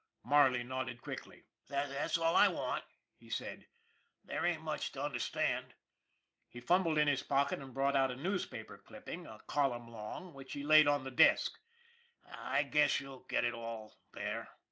Marley nodded quickly. " That's all I want," he said. " There ain't much to understand." He fumbled in his pocket and brought out a newspaper clipping, a column long, which he laid on the desk. " I guess you'll get it all there."